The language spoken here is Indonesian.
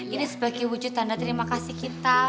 ini sebagai wujud tanda terima kasih kita